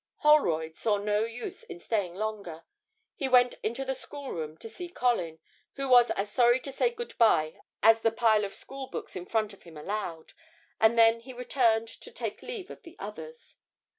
Holroyd saw no use in staying longer. He went into the schoolroom to see Colin, who was as sorry to say good bye as the pile of school books in front of him allowed, and then he returned to take leave of the others.